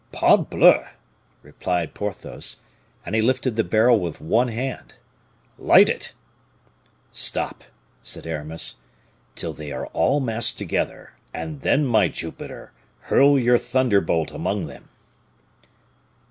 "Parbleu!" replied Porthos; and he lifted the barrel with one hand. "Light it!" "Stop," said Aramis, "till they are all massed together, and then, my Jupiter, hurl your thunderbolt among them."